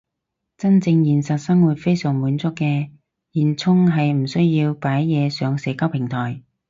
真正現實生活非常滿足嘅現充係唔需要擺嘢上社交平台